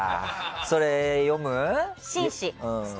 それ、読む？